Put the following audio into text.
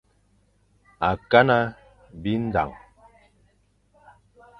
Akana bindañ.